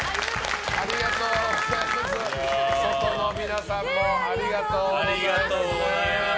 外の皆さんもありがとうございます。